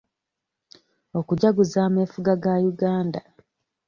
Okujaguza ameefuga ga Uganda